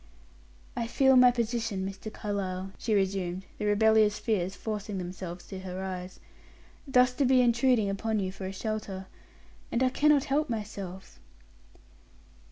"I feel my position, Mr. Carlyle," she resumed, the rebellious tears forcing themselves to her eyes; "thus to be intruding upon you for a shelter. And I cannot help myself."